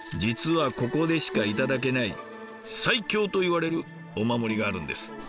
実はここでしか頂けない最強といわれるお守りがあるんです。